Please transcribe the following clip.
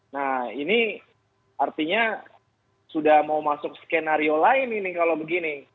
nah ini artinya sudah mau masuk skenario lain ini kalau begini